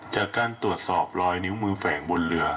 จากการตรวจสอบรอยนิ้วมือแฝงบนเรือ